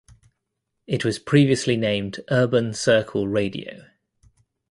It was previously named Urban Circle Radio.